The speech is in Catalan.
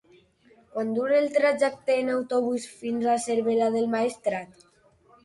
Quant dura el trajecte en autobús fins a Cervera del Maestrat?